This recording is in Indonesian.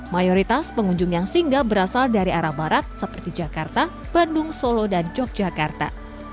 mayoritas pengunjung yang singgah berasal dari arah barat seperti jakarta bandung solo dan yogyakarta